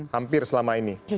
hampir selama ini